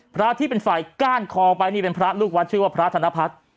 พระที่เป็นฝ่ายก้านคอไปนี่เป็นพระลูกวัดชื่อว่าพระธนพัฒน์